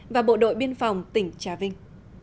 và bộ đội biên phòng tỉnh trà vinh